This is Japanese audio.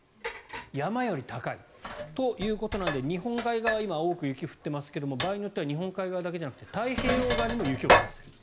山より高いということなので日本海側今、多く雪が降っていますが場合によっては日本海側だけじゃなくて太平洋側にも雪を降らせる。